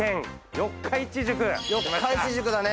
四日市宿だね。